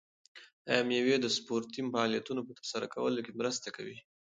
آیا مېوې د سپورتي فعالیتونو په ترسره کولو کې مرسته کوي؟